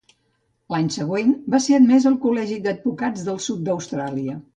L'any següent va ser admès al col·legi d'advocats del sud d'Austràlia.